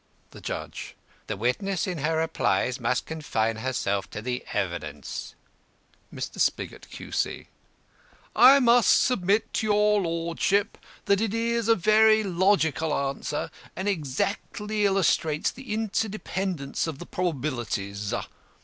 The JUDGE: "The witness in her replies must confine herself to the evidence." Mr. SPIGOT, Q.C.: "I must submit to your lordship that it is a very logical answer, and exactly illustrates the interdependence of the probabilities.